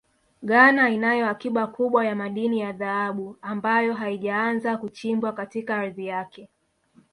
Ghana inayo akiba kubwa ya madini ya dhahabu ambayo haijaanza kuchimbwa katika ardhi yake